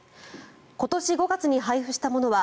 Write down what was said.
今年５月に配布したものは